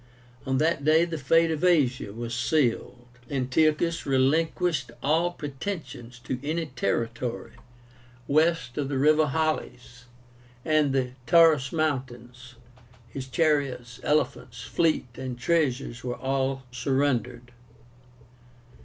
On that day the fate of Asia was sealed. Antiochus relinquished all pretensions to any territory west of the river Halys and the Taurus mountains. His chariots, elephants, fleet, and treasures were all surrendered.